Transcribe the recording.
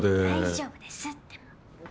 大丈夫ですってもう。